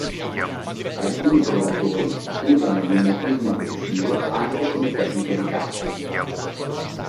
Alcuni predatori usano il mimetismo aggressivo anche come tecnica di caccia.